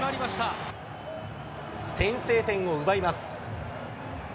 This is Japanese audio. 先制点を奪います。